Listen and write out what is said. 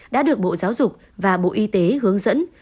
đã được bộ giáo dục và bộ y tế hướng dẫn